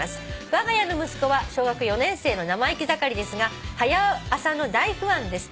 「わが家の息子は小学４年生の生意気盛りですが『はや朝』の大ファンです」